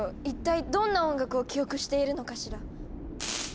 一体どんな音楽を記憶しているのかしら？